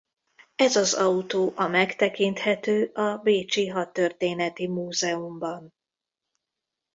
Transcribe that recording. Ez az autó a megtekinthető a bécsi Hadtörténeti Múzeumban.